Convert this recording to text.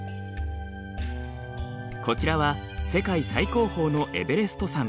こちらは世界最高峰のエヴェレスト山。